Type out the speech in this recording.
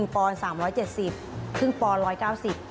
๑ปอน๓๗๐บาทครึ่งปอน๑๙๐บาท